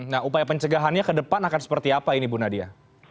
nah upaya pencegahannya ke depan akan seperti apa ini bu nadia